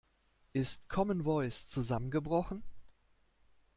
Ist Common Voice zusammengebrochen?